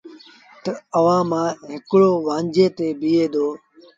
تا اُئآݩ مآݩ هڪڙو وآنجھي تي بيٚهي دو۔